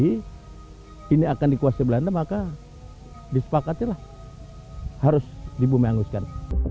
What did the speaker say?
yang akan dikuasai belanda maka disepakatilah harus dibumi hanguskan